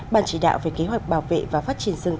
bàn chỉ đạo về kế hoạch bảo vệ và phát triển dân dân